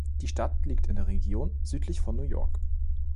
Die Stadt liegt in der Region südlich von New York.